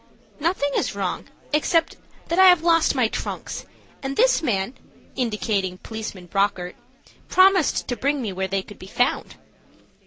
"Nothing is wrong except that I have lost my trunks, and this man," indicating Policeman Bockert, "promised to bring me where they could be found."